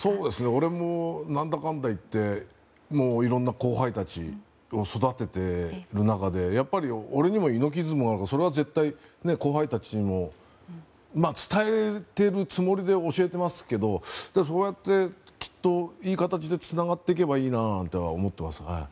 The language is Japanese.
俺も何だかんだ言っていろんな後輩たちを育ててる中でやっぱり俺にも猪木イズムがあるからそれは絶対、後輩たちにもまあ、伝えているつもりで教えていますけどそうやっていい形でつながっていけばいいなとは思ってます。